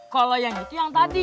kalau yang itu yang tadi